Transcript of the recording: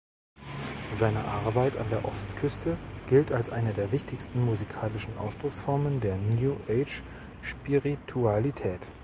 Seine Arbeit an der Ostküste gilt als einer der wichtigsten musikalischen Ausdrucksformen der New-Age-Spiritualität.